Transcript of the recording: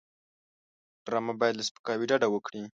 ډرامه باید له سپکاوي ډډه وکړي